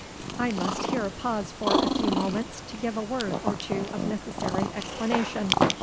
"I must here pause for a few moments to give a word or two of necessary explanation.